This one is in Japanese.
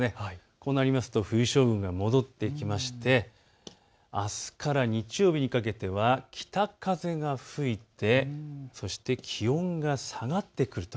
こうなりますと冬将軍が戻ってきましてあすから日曜日にかけては北風が吹いて、そして気温が下がってくる。